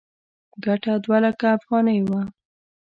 ګټه دوه لکه افغانۍ وه.